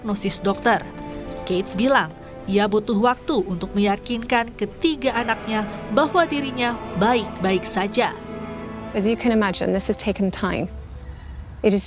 ini mengambil waktu untuk saya menjelaskan semuanya kepada george charlotte dan louis